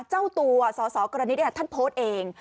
เจ้าตัวสสกรณิตท่านโพสต์เอง